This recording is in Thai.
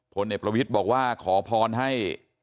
พลเอกประวิทย์บอกว่าขอพรให้